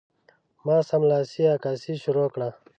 ما سملاسي عکاسي شروع کړه.